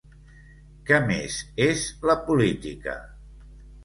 Què més és la política?